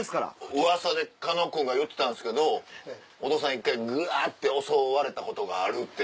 うわさで狩野君が言ってたんですけどお父さん一回ぐわって襲われたことがあるって。